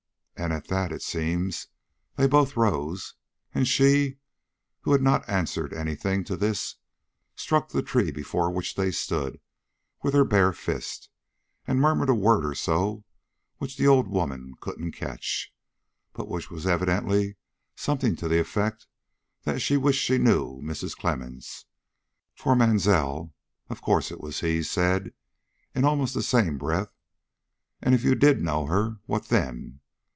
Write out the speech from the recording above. And at that, it seems, they both rose, and she, who had not answered any thing to this, struck the tree before which they stood, with her bare fist, and murmured a word or so which the old woman couldn't catch, but which was evidently something to the effect that she wished she knew Mrs. Clemmens; for Mansell of course it was he said, in almost the same breath, 'And if you did know her, what then?'